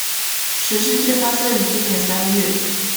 此事件發生於今年三月